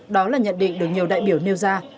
đó là nhận định được nhiều đại biểu nêu ra